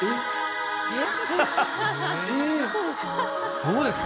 どうですか？